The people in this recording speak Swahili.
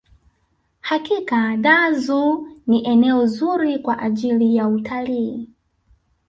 hakika dar zoo ni eneo zuri kwa ajiri ya utalii